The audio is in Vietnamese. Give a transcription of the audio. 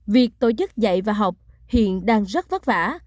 việc tổ chức dạy và học hiện đang rất vất vả